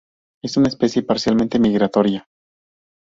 Es una especie parcialmente migratoria.